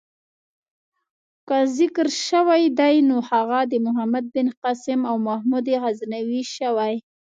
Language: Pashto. که ذکر شوی دی نو هغه د محمد بن قاسم او محمود غزنوي شوی.